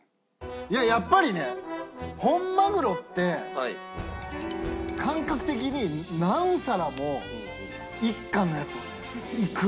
いややっぱりね本鮪って感覚的に何皿も１貫のやつをねいく。